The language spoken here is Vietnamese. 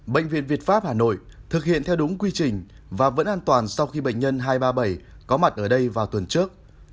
bệnh viện việt pháp hà nội thực hiện theo đúng quy trình và vẫn an toàn sau khi bệnh nhân hai trăm ba mươi bảy có mặt ở đây vào tuần trước